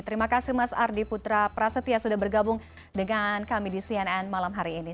terima kasih mas ardi putra prasetya sudah bergabung dengan kami di cnn malam hari ini